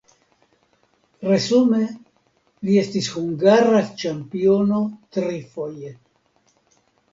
Resume li estis hungara ĉampiono trifoje.